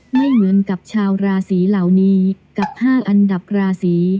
ไม่เหมือนกับชาวราศีเหล่านี้กับ๕อันดับราศี